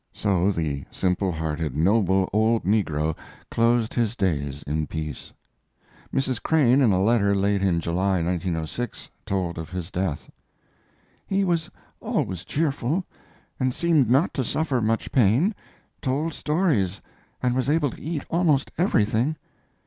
So the simple hearted, noble old negro closed his days in peace. Mrs. Crane, in a letter, late in July, 1906, told of his death: He was always cheerful, and seemed not to suffer much pain, told stories, and was able to eat almost everything.